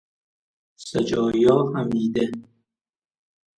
سجایا حمیده